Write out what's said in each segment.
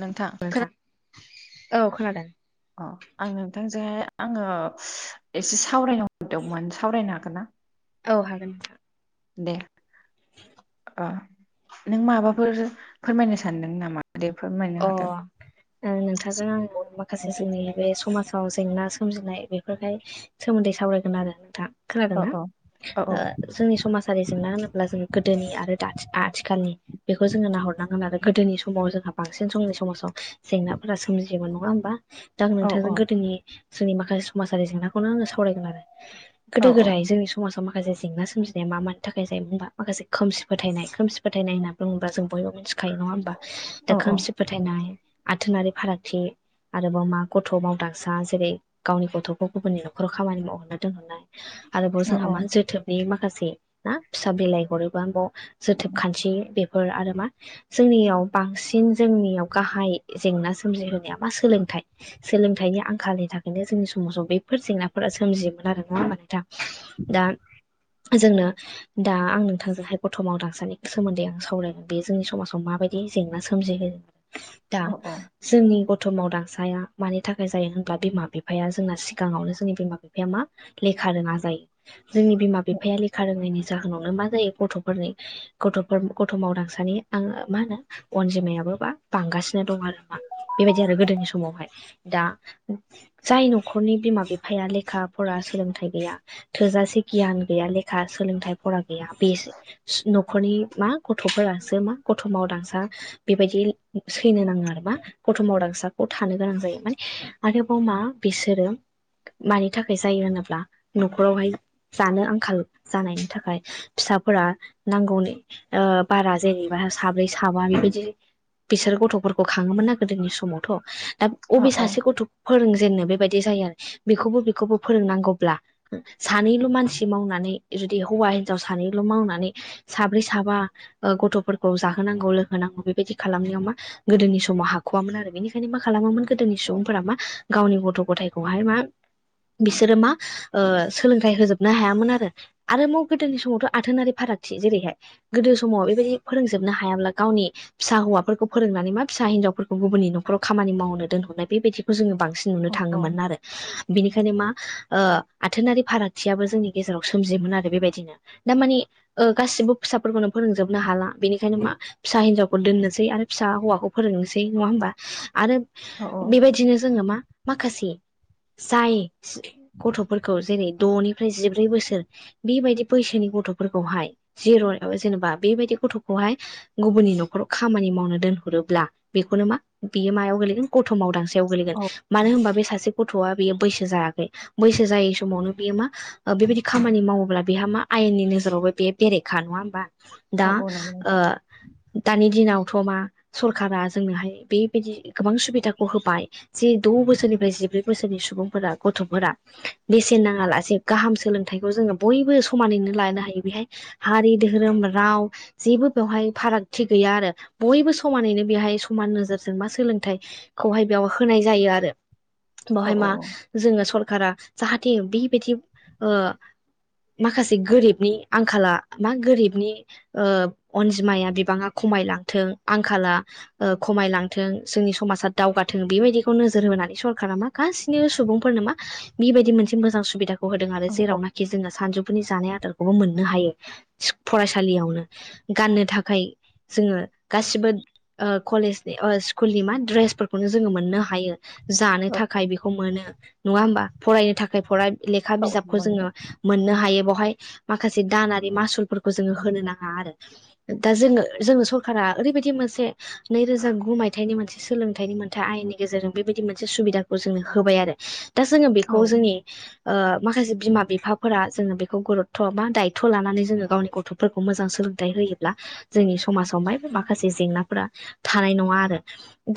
नोंथां खोना- औ खोनादों अ- आं नोंथांजोंहाय आंङो एसे सावरायनो हरदोंमोन सावरायनो हागोन ना औ हागोन नोंथां दे अ नों माबाफोर फोरमायनो सानदों नामा दे अ फोरमायनो ओ हागोन नोंथांजों आंङो माखासे जोंनि बे समाजाव जेंना सोमजिनाय बेफोरखाय सोमोन्दै सावरायगोन आरो नोंथां औ खोनादोंना औ औ ओ जोंनि समाजारि जेंना होनोब्ला जों गोदोनि आरो दानि आ आथिखालनि बेखौ जोङो नाहरनांगोन आरो गोदोनि समाव जोंहा बांसिन जोंनि समाजाव जेंनाफोरा सोमजियोमोन नङा ओमबा दा औ नोंथां जों आं गोदोनि जोंनि माखासे समाजारि जेंनाखौनो आंङो सावरायगोन आरो औ गोदो गोदाय जोंनि समाजाव माखासे जेंना सोमजिनाया मा मानि थाखाय जायोमा माखासे खोमसि फोथायनाय खोमसि फोथायनाय होनना बुङोब्ला जों बयबो मिथिगौ खायो नङा होमबा दा औ औ खोमसि फोथायनाय आथोनारि फारागथि आरोबाव मा गथ' मावदांसा जेरै गावनि गथ'खौ गुबुननि न'खराव खामानि मावहरनो दोनहरनाय आरोबाव औ जोंहा मा जोथोबनि माखासे ना फिसा बिलाइ हरोबा बाव जोथोब खान्थि बेफोर आरो मा जोंनियाव बांसिन दिन जोंनियाव गाहाय जेंना सोमजिहोनाया मा सोलोंथाइ सोलोंथाइनि आंखालनि थाखायनो जोंनि समाजाव बेफोर जेंनाफोरा सोमजियोमोन आरो नंङा होनबा नोंथां दा जोंनो दा आं नोंथांजोंहाय गथमाव दांसानायनि सोमोन्दै आं सावरायगोन बे जोंनि समाजाव माबायदि जेंना सोमजि दा औ औ जोंनि गथ' जोथोब मावदांसाया मानि थाखाय जायो होनब्ला बिमा बिफाया जोंना सिगाङावनो जोंनि बिमा बिफाया मा लेखा रोङा जायो जोंनि बिमा बिफाया लेखा रोंनायनि जाहोनावनो मा जायो गथ'फोरनि गथ'फोर गथ' मावदांसानि आंङो मा होनो अनजिमायाबो बा बांगासिनो दं आरो मा बेबायदि आरो गोदोनि समावहाय दा जाय न'खरनि बिमा बिफाया लेखा फरा सोलोंथाइ गैया थोजासे गियान गैया लेखा सोलोंथाइ फरा गैया बे न'खरनि मा गथ'फोरसो मा गथ' मावदांसा बेबायदि सैनो नाङों आरो मा गथ मावदांसाखौ थानो गोनां जायो माने आरोबाव मा बिसोरो मानि थाखाय जायो होनोब्ला न'खरावहाय जानो आंखाल जानायनि थाखाय फिसाफोरा नांगौनि बारा जेनेबा साब्रै साबा माबा बेबायदि बिसोर गथ'फोरखौ खांङोमोन ना गोदोनि समावथ' दा बबे सासे गथ' फोरोंजेननो बेबायदि जायो आरो बेखौबो बेखौबो फोरोंनांगौब्ला। सानैल' मानसि मावनानै जुदि हौवा हिनजाव सानैल' मावनानै। साब्रै साबा गथ'फोरखौ जाहोनांगौ लोगो होनांगौ बेबायदि खालामनायाव मा गोदोनि समाव हाख'आामोन आरो बेनिखायनो मा खालामोमोन गोदोनि सुबुंफोरा मायो गावनि गथ' गथायखौहाय मा बिसोरो मा सोलोंथाइ होजोबनो हायामोन आरोबाव गोदोनि समावथ' आथोनारि फारागथि जेरै गोदो समाव बेबायदि फोरोंजोबनो हायाब्ला गावनि फिसा हौवाफोरखौ फोरोंनानै मा फिसा हिनजावफोरखौ गुबुननि न'खराव खामानि मावनो दोनहरनाय बेबायदिखौ जोंङो नुनो औ थांङोमोन आरो। बिनिखायनो मा आथोनारि फारागथियाबो जोंनि गेजेराव सोमजियोमोन आरो बेबादिनो दामानि गासिबो फिसाफोरखौनो फोरोंजोबनो हाला बेनिखायनो मा फिसा हिनजावखौ दोननोसै आरो फिसा हौवाखौ फोरोंनोसै नङा होनबा आरो बेबायदिनो जोङो मा माखासे जाय गथफोरखौ जेरै दनिफ्राय जिब्रै बोसोरो बेबायदि बैसोनि गथ'फोरखौहाय जिर' जेनेबा बेबायदि गथ'खौहाय गुबुननि न'खराव खामानि मावनो दोनहरोब्ला बेखौनो मा बियो मायाव गोलैगोन गथ' मावदांसै गो गेलेगोन औ मानो होनबा बे सासे गथ'आ बेयो बैसो जायाखै बैसो जायै समावनो बियो मा बेबायदि खामानि मावोब्ला बेहा मा आयेननि नोजोरावबो बे बेरायेखा नङा होमबा। दा औ नंगौ ओ नोंथां दानि दिनावथ' मा सरखारारा जोंनोहाय बेबायदि गोबां सुबिदाखौ होबाय। जि द' बोसोरनिफ्राय जिब्रै बोसोरनि सुबुंफोरा गथ'फोरखौ बेसेन नाङा लासे गाहाम सोलोंथाइखौ जोङो बयबो समानैनो लानो हायो बेहायो हारि धोरोम राव जेबो बेवहायनो फारागथि गैया आरो बयबो समानैनो बेहाय समान नोजोरजों बा सोलोंथाया खौहाय बेयाव होनाय जायो आरो औ बेावहाय मा औ जोंङो सरखारा जाहाथे बेबायदि ओ माखासे गोरिबनि आंखाला मा गोरिबनि अनजिमाया ओ बिबाङा खमायलांथों आंखाला खमायलांथों ओ जोंनि समाजाव दावगाथों बेबादिखौनो नोजोर होनानै सरखारा मा गासिबो सुबुंफोरनो मा बे बायदि मोनसे मोजां सुबिदाखौ होदों आरो। औ औ जेरावना जोङो सानजौफुनि जानाय आदारखौबो मोननो हायो। फरायसालियावनो गाननो थाखाय जोङो गासिबो कलेजनि स्कुलनि मा दड्रेसफोरखौनो जोङो मोननो हायो। जानो थाखाय बेखौ मोनो नङा होमबा फरायनो थाखाय फराय लेखा औ बिजाबखौ नंगौ जोङो नोंथां ओ मोननो हायो बेावहाय माखासे दानारि मासुलफोरखौ जोङो होनो नाङा आरो। दा जोङो जोङो सरकारा ओरैबायदि मोनसे नैरोजा गु मायथाइनि मोनसे सोलोंथाइनि मोनसे आयेननि गेजेरजों बे बायदि मोनसे सुबिदाखौ जोंनो होबाय आरो। दा जोङो औ बेखौ जोंनि माखासे बिमा बिफाफोरा जोङो बेखौ गुरुतथ' बा दायोथ' लानानै जोङो गावनि गथ' फोरखौ मोजां सोलोंथाइ होयो। जोंनि समाजावाय माखासे जेंनाफोरा थानाय नङा आरो।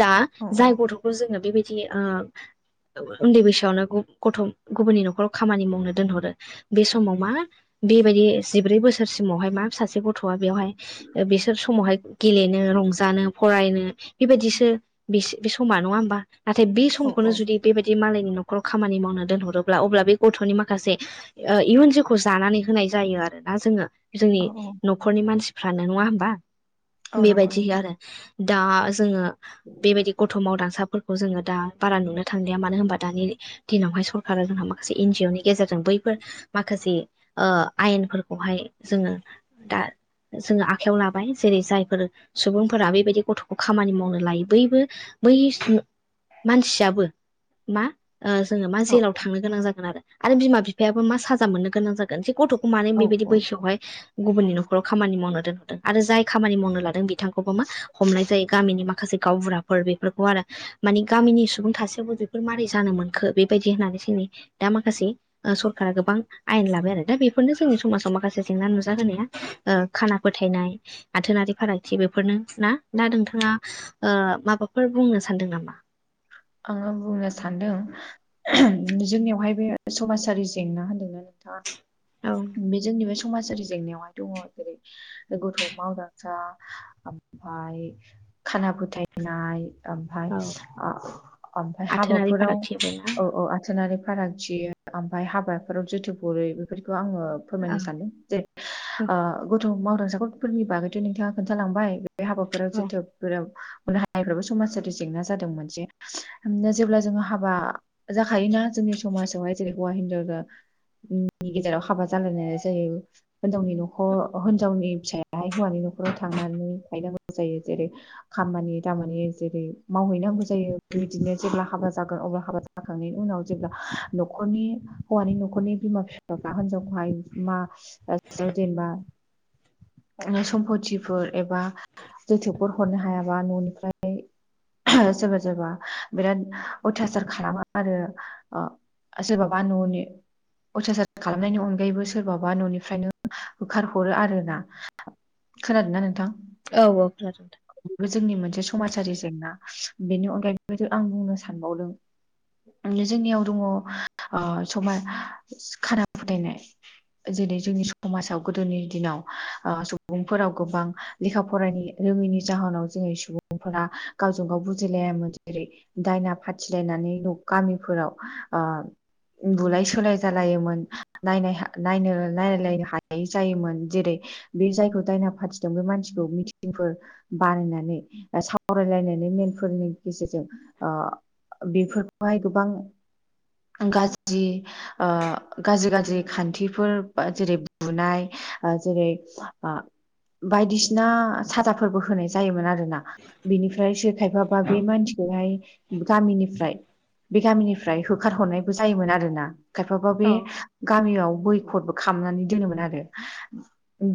दा औ जाय गथ'खौ जोङो बे बायदि उन्दै बैसोआवनो गथ' गुबुननि न'खराव खामानि मावनो दोनहरो। बे समाव मा बे बायदि जिब्रै बोसोरसिमावहाय मा सासे गथ'आ बेवहाय बिसोर समावहाय गेलेनो रंजानो फरायनो बे बायदिसो बे बे समा नङा होमबा। नाथाय बे औ समखौनो जुदि बे बायदि जुदि मालायनि न'खराव खामानि मावनो दोनहरोब्ला अब्ला बे गथ'नि माखासे इयुन जिउखौ जानानै होनाय जायो आरोना जोङो जोंनि औ न'खरनि मानसिफ्रानो नङा होमबा औ नंगौ बेबायदि नोंथां आरो दा जोङो बेबायदि गथ' मावदांसाफोर खौ जोङो बारा नुनो थांलिया मानो होमबा दानि दिनावहाय सरकारा जोंहा माखासे एन जि अ नि गेजेरजों बैफोर माखासे ओ आयेनफोरखौहाय जोङो दा जोङो आखायाव लाबाय जेरै जायफोर सुबुंफोरा बेबायदि गथ'खौ खामानि मावनो लायो बैबो बै सु मानसियाबो मा ओ जोङो मा जेलाव थांनो गोनां जागोन आरो बिमा-बिफायाबो मा साजा मोननो गोनां जागोन जे गथ' खौ मानो औ बेबायदि औ बैसोआवहाय गुबुननि न'खराव खामानि मावनो दोनहरदों आरो जाय खामानि मावनो लादों बिथांखौबो मा हमनाय जायो गामिनि माखासे गावबुराफोर बेफोरखौ आरो। मानि गामिनि सुबुं थासेयावबो बेफोर मारै जानो मोनखो बेबायदि होननानै जोनि दा माखासे ओ सरखारा गोबां आयेन लाबाय आरो दा बेफोरनो जोंनि समाजाव माखासे जेंना नुजा होनाया ओ खाना फोथायनाय आथोनारि फारागथि बेफोरनो ना दा नोंथाङा ओ माबाफोर बुंनो सानदों नामा? आङो बुंनो सानदों जोंनियावहाय बे समाजारि जेंना होन्दोंना नोंथाङा? औ। बे जोंनि बे समाजारि जेंनायावहाय दङ' जेरै ओ गथ' मावदांसा ओमफाय खाना फोथायनाय ओमफाय औ ओ ओमफ्राय आथोनारि हाबाफोराव फारागथि आरोना औ। औ आथोनारि फारागथि ओमफ्राय हाबाफोराव जोथोफ बेफोरखौ आङो फोरमायनो औ सानदों जे औ ओ गथ' मावदांसा गथफोरनि बागैथ' नोंथाङा खोन्थालांबाय। बे हाबाफोराव औ जोथोफफोरनो हानायफ्राबो समाजारि जेंना जायो। जादों जेब्ला जोङो हाबा जाखायोना जोंनि समाजावहाय जेरै हौवा-हिनजावनि गेजेराव हाबा जालायनाय जायो। होनजावनि न'खर होनजावनि फिसाया याहाय हौवानि न'खराव थांनानै थायनांगौ जायो जेरै खामानि दामानि जेरै मावहैनांगौ जायो बेबायदिनो जेब्ला हाबा जागोन अब्ला हाबा जाखांनायनि उनाव जेब्ला न'खरनि हौवानि न'खरनि बिमा-फिफाफ्रा हिनजावखौहाय मा ओ जेनेबा। ओ सम्पतिफोर एबा जोथोफफोर हरनो हायाबा न'निफ्राय सोरबा-सोरबा बिराद अयथासार खालामा आरो ओ आ सोरबा बा न'नि अयथासार खालामनायनि अनगायैबो सोरबाबा न'निफ्रायनो होखार हरो आरो ना। खोनादों ना नोंथां? औ औ खोनादों। बेबो जोंनि मोनसे समाजारि जेंना बेनि अनगायै बेबायदि आं बुंनो सानबावदों। माने जोंनियाव दङ' ओ समाय खाना फोथायनाय। आ जेरै जोंनि समाजाव गोदोनि दिनाव आ सुबुंफोराव गोबां लेखा फरायनो रोङैनि जाहोनाव जोंनि सुबुंफोरा गावजों गाव बुजिलायामोन जेरै दायना फाथिलायनानै न' गामिफोराव आ बुलाय-सोलाय जालायोमोन नायना नायनो नायलायनो हायि जायोमोन जेरै बे जायखौ दायना फाथिदों बे मानसिखौ मिथिंफोर बानायनानै ओ सावरायलायनानै मेलफोरनि गेजेरजों ओ बेफोरखौहाय गोबां गाज्रि ओ गाज्रि गाज्रि खान्थिफोर जेरै बुनाय ओ जेरै आ बायदिसिना साजाफोरबो होनाय जायोमोन आरोना। बिनिफ्रायसो खायफाबा बे मानसिखौहाय गामिनिफ्राय बे गामिनिफ्राय हो होखारहरनायबो जायोमोन आरो ना खायफाबा बे नोंथां। गामियाव बैखथ खालामनानै दोनोमोन आरो।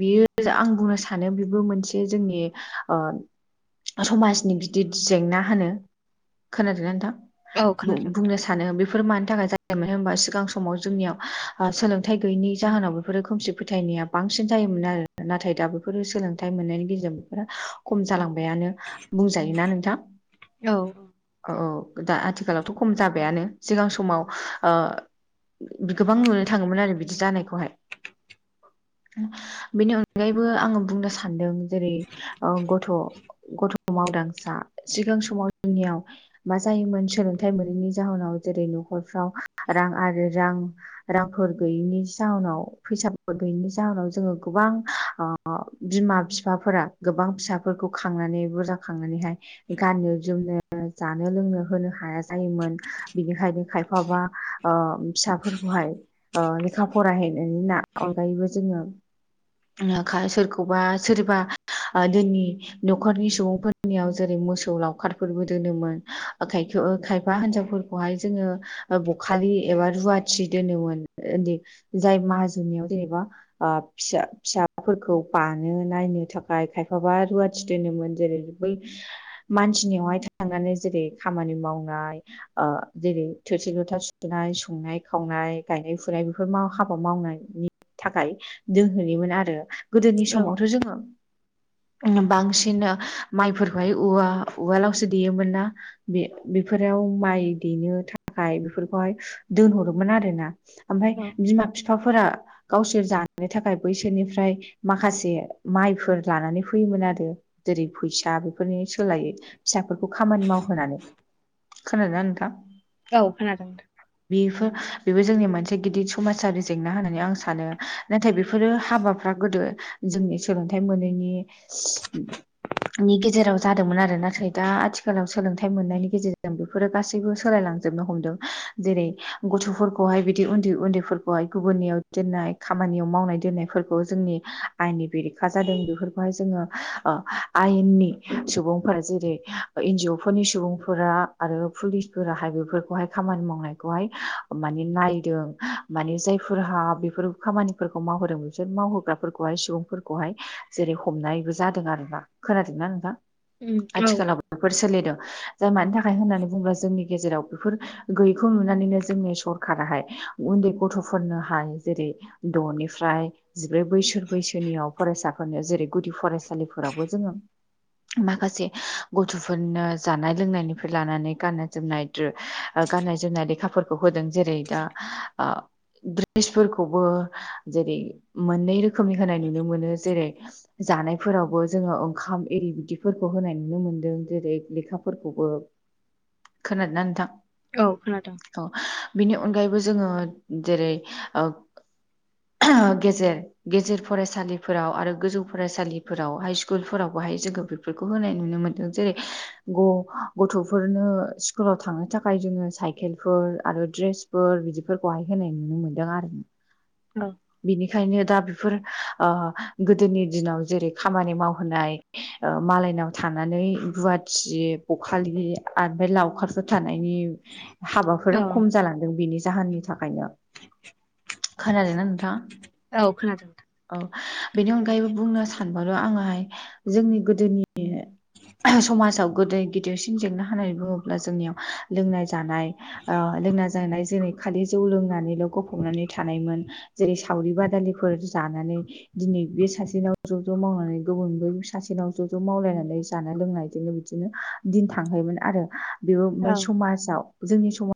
बियो आं बुंनो सानो बेबो मोनसे जोंनि समाजनि बिदि जेंना होनो खोनादोंना औ नोंथां खोनादों बुंनो सानो बे बेफोर मानि थाखाय जायोमोन होनबा सिगां समाव जोंनियाव सोलोंथाइ गैयैनि जाहोनाव बेफोरो खोमसि फोथायनाया बांसिन जायोमोन आरो नाथाय दा बेफोरो सोलोंथाइ मोननायनि गेजेरजों बेफोर खम जालांबायानो बुंजायोना नोंथां औ औ औ दा आथिखालावथ' खम जाबायानो सिगां समाव गोबां नुनो थांङोमोन आरो बिदि जानायखौहाय बेनि अनगायैबो आंङो बुंनो सानदों जेरै गथ' गथ' मावदांसा सिगां समाव जोंनियाव मा जायोमोन सोलोंथाइ मोनैनि जाहोनाव जेरै न'खरफ्राव रां आरो रां रांफोर गैयैनि जाहोनाव फैसाफोर गैयैनि जाहनाव जोंङो गोबां ओ बिमा बिफाफोरा गोबां फिसाफोरखौ खांनानै बुरजा खांनानैहाय गाननो जोमनो जानो लोंनो होनो हाया जायोमोन बिनिखायनो खायफाबा फिसाफोरखौहाय लेखा फरायहैनायनि न अनगायैबो जोंङो सोरखौबा सोरबा दोननि न'खरनि सुबुंफोरनियाव जेरै मोसौ लावखारफोरबो दोनोमोन खाय खायफा हिनजावफोर बेहाय जोंङो बखालि एबा रुवाथि दोनोमोन। जाय माहाजोननियाव जेनेबा आ फिसा फिसाफोरखौ बानो नायनो थाखाय खायफाबा रुवाथि दोनोमोन जेरै बै मानसिनियावहाय थांनानै जेरै खामानि मावनाय जेरै थोरसि लथा सुनाय संनाय खावनाय गायनाय फुनाय बेफोर बे हाबा मावनायनि थाखाय दोनहैनिमोनो आरो गोदोनि औ समावथ' जोंङो बांसिन माइफोरखौहाय उवालावसो देयोमोन ना बे बेफोराव माइ देनो थाखाय बेफोरखौहाय दोनहरोमोन आरोना ओमफ्राय औ बिमा बिफाफोरा गावसोर जानो थाखाय बैसोर बिसोरनिफ्राय माखासे माइफोर लानानै फैयोमोन आरो। जेरै फैसा बेफोरनि सोलायो फिसाफोरखौ खामानि मावहोनानै खोनादोंना नोंथां औ खोनादों। बेफोर बेबो जोंनि मोनसे गिदिर समाजारि जेंना होननानै आं सानो नाथाय बेफोरो हाबाफ्रा गोदो जोंनि सोलोंथाइ मोनैनि नि गेजेराव जादोंमोन आरो नाथाय दा आथिखालाव सोलोंथाइ मोननायनि गेजेरजोंबो गासैबो सोलायलांजोबनो हमदों जेरै गथ'फोरखौहाय बिदि उन्दैन्दैफोरखौाय गुबुननियाव दोननाय खामानियाव मावनाय दोननाय फोरखौ जोंनि आयेननि बेरेखा जादों बेफोरखौहाय जोंङो आयेननि सुबुंफोरा जेरै एनज अ फोरनि सुबुंफोरा आरो पुलिसफोराहाय बेफोरखौहाय खामानि मावनायखौहाय माने नायदों माने जायफोरहा बेफोर खामानिफोरखौ मावहोदों। बिसोर मावहोग्राफोरखौहाय सुबुंफोरखौहाय जेरै हमनायबो जादों आरोना खोनादोंना नोंथां? उम औ आथिखालाव बेफोर सोलिदों जाय मानि थाखाय होननानै बुंङोब्ला जोंनि गेजेराव बेफोर गैयैखौ नुनानैनो जोंनि सरखाराहाय उन्दै गथ'फोरनोहाय जेरै द'निफ्राय जिब्रै बोसोर बैसोनियाव फरायसाफोरनि जेरै गुदि फरायसालिफोरावबो जोंङो माखासे गथ'फोरनो जानाय लोंनायनिफ्राय लानानै गाननाय जोमनाय गाननाय जोमनाय लेखाफोरखौ होदों जेरै दा ओ द्रेसफोरखौबो जेरै मोननै रोखोमनि होनाय नुनो मोनो जेरै जानायफोरावबो जोङो ओंखाम आररि बिदिफोरखौ होनाय नुनो मोनदों जेरै लेखाफोरखौबो खोनादोना नोंथां? औ खोनादों। औ बेनि अनगायैबो जोङो जेरै ओ गे जेर गेजेर फरायसालिफोराव आरो गोजौ फरायसालिफोराव हाइस्कुलफोराव बहाय जोंखो बे फोरखौ होनाय नुनो मोनदों जेरै ग गथ'फोरनो स्कुलाव थांनो थाखाय जोङो साय केलफोर आरो दड्रेसफोर बिदिफोरखौहाय होनाय नुनो मोनदों आरो। अ बिनिखायनो दा बिफोर ओ गोदोनि दिनाव जेरै खामानि मावहोनाय ओ मालायनाव थानानै रुवाथि बखालि आमफ्राय लावखार फोर थानायनि हाबाफोरा औ खम जालांदों बेनि जाहोननि थाखायनो खोनादोना नोंथाङा? औ खोनादों नोंथां ‌। औ बेनि अनगायैबो बुंनो सानबावदों आङोहाय जोंनि गोदोनि समाजाव गोदै गिदिरसिन जेंना होननानै बुंङोब्ला जोंनियाव लोंनाय जानाय ओ लोंना जानाय जेरै खालि जौ लोंनानैल' गफबनानै थानायमोन जेरै सावरि बादालिफोर जानानै दिनै बे सासेनाव ज' ज' मावनानै गुबुन बै सासेनाव ज' ज' मावलायनानै जानाय लोंनायदोनो बिदिनो दिन थांहोमोन आरो बेबो नोंथां। ओमफाय औ समाजाव जोंनि समा